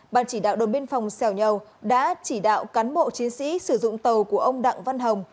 ban chỉ đạo đồn biên phòng xẻo nhầu đã chỉ đạo cán bộ chiến sĩ sử dụng tàu của ông đặng văn hồng